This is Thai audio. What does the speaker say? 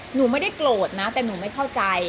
หนูไม่ได้โกรธนะแต่หนูไม่เข้าใจ